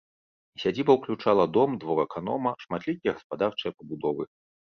Сядзіба ўключала дом, двор аканома, шматлікія гаспадарчыя пабудовы.